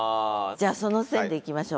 じゃあその線でいきましょう。